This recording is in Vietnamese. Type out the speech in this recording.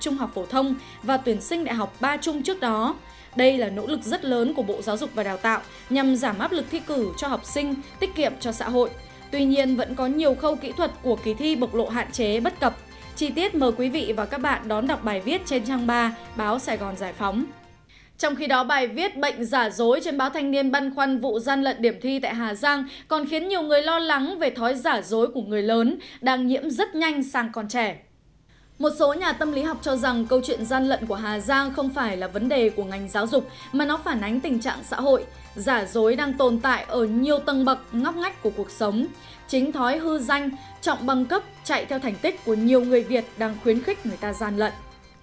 một số nhà tâm lý học cho rằng câu chuyện gian lận của hà giang không phải là vấn đề của ngành giáo dục mà nó phản ánh tình trạng xã hội giả dối đang tồn tại ở nhiều tầng bậc ngóc ngách của cuộc sống chính thói hư danh trọng băng cấp chạy theo thành tích của nhiều người việt đang khuyến khích người ta gian lận